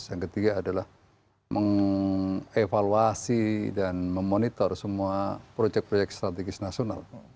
yang ketiga adalah mengevaluasi dan memonitor semua proyek proyek strategis nasional